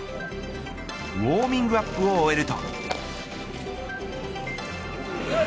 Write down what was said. ウオーミングアップを終えると。